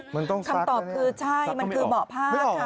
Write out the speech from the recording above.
คำตอบคือใช่มันคือหมอกผ้าค่ะ